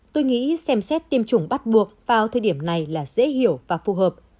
tôi nghĩ xem xét tiêm chủng bắt buộc vào thời điểm này là dễ hiểu và phù hợp